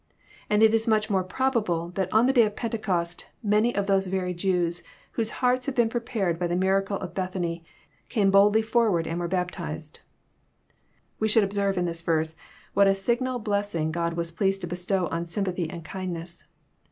And it is more than probable that on the day of Pentecost many of those very Jews whose hearts had been prepared by the miracle of Bethany came boldly forward and were baptized* We should observe In this verse what a signal blessing God was pleased to bestow on sympathy and kindness.